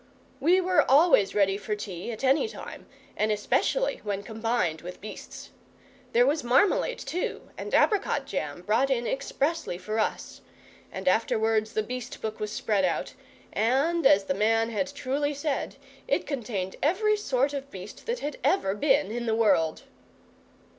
We were always ready for tea at any time, and especially when combined with beasts. There was marmalade, too, and apricot jam, brought in expressly for us; and afterwards the beast book was spread out, and, as the man had truly said, it contained every sort of beast that had ever been in the world.